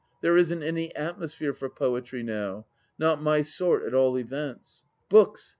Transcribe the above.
There isn't any atmo sphere for poetry now — ^not my sort, at all events. ... Books